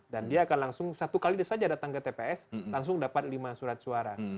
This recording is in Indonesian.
dan dia akan langsung satu kali saja datang ke tps langsung dapat lima surat suara